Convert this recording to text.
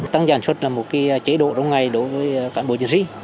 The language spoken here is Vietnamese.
tăng gia sản xuất là một chế độ trong ngày đối với cán bộ chiến sĩ